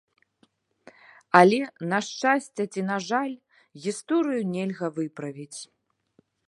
Але, на шчасце ці на жаль, гісторыю нельга выправіць.